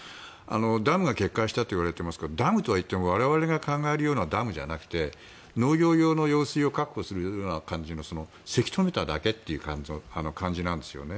ダムが決壊したといわれていますがダムといっても我々が考えるようなダムじゃなくて農業用の用水を確保するためというようなせき止めただけっていう感じなんですよね。